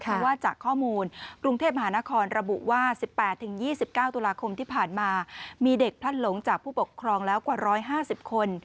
เพราะว่าจากข้อมูลกรุงเทพมหานครระบุว่า๑๘๒๙ตุลาคมที่ผ่านมามีเด็กพลัดหลงจากผู้ปกครองแล้วกว่า๑๕๐คน